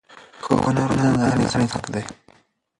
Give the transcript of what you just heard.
ښوونه او روزنه د هر انسان حق دی.